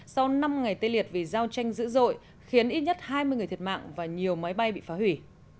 sau năm ngày tê liệt vì giao tranh dữ dội khiến ít nhất hai mươi người thiệt mạng và nhiều máy bay bị phá hủy